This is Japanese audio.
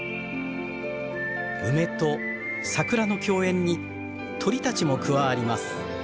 梅と桜の共演に鳥たちも加わります。